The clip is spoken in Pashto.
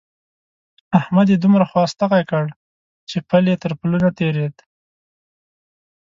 احمد يې دومره خوا ستغی کړ چې پل يې تر پله نه تېرېد.